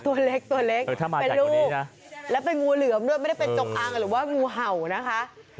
ตัวเล็กตัวเล็กเป็นลูกแล้วเป็นงูเหลือมด้วยไม่ได้เป็นจงอางหรือว่างูเห่านะคะ